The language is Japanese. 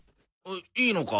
いいのか？